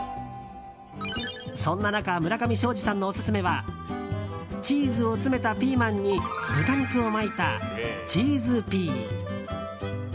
そんな中村上ショージさんのオススメはチーズを詰めたピーマンに豚肉を巻いたチーズピー。